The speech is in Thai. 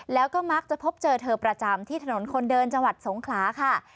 แล้วก็มักจะพบเจอเธอประจำที่ถนนคนเดินจังหวัดสงขลาค่ะ